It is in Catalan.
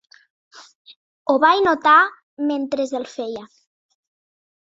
Ho vaig notar mentre el feia.